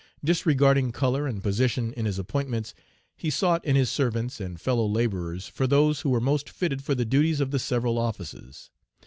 Disregarding color and position in his appointments, he sought in his servants and fellow laborers for those who were most fitted for the duties of the several offices.